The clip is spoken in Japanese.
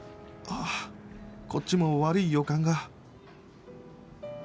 あこっちも悪い予感が